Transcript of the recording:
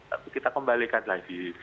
tapi kita kembalikan lagi